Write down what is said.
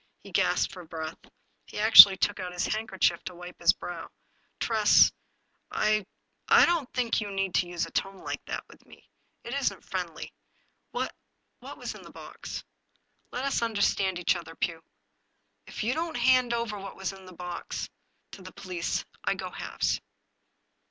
He gasped for breath. He actually took out his handkerchief to wipe his brow. " Tress, I — I don't think you need to use a tone like that to me. It isn't friendly. What — ^what was in the box ?"" Let us understand each other, Pugh. If you don't hand over what was in the box to the police, I go halves."